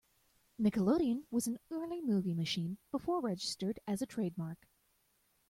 "Nickelodeon" was an early movie machine before registered as a trademark.